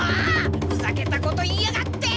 ふざけたこと言いやがって！